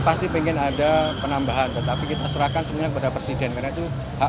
pasti ingin ada penambahan tetapi kita serahkan semuanya kepada presiden karena itu hak